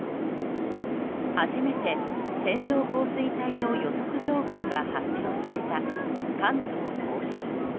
初めて線状降水帯の予測情報が発表された関東・甲信。